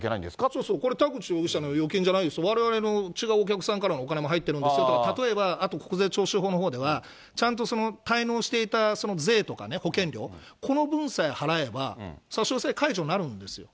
そうそう、これ田口容疑者の預金じゃないですよ、われわれの違うお客さんからのお金も入ってるんですよと、例えば、あと国税徴収法のほうでは、ちゃんと滞納していたその税とかね、保険料、この分さえ払えば、差し押さえ、解除になるんですよ。